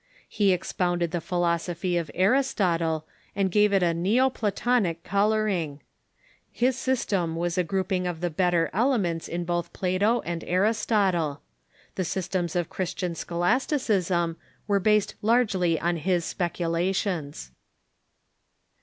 He ex pounded the philosophy of Aristotle, and gave it a Neo Platonic THE HOHENSTAUFKNS IN ITALY 173 coloring. His system was a grouping of the better elements in both Plato and Aristotle. The systems of Christian scho lasticism were based largely on bis speculations.